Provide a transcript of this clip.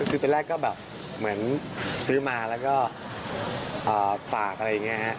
คือตอนแรกก็แบบเหมือนซื้อมาแล้วก็ฝากอะไรอย่างนี้ฮะ